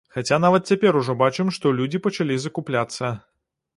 Хаця нават цяпер ужо бачым, што людзі пачалі закупляцца.